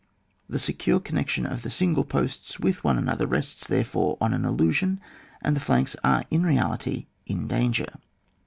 The secure connection of the single posts with one another rests therefore on an illusion, and the flanks are in reality in danger.